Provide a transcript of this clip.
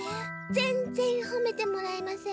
ぜんぜんほめてもらえません。